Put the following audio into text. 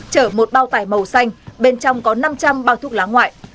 chở một bao tải màu xanh bên trong có năm trăm linh bao thuốc lá ngoại